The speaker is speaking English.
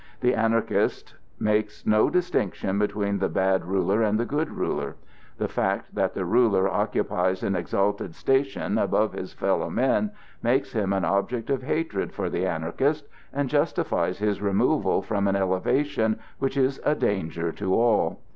The Anarchist makes no distinction between the bad ruler and the good ruler. The fact that the ruler occupies an exalted station above his fellow men makes him an object of hatred for the Anarchist, and justifies his removal from an elevation which is a danger to all.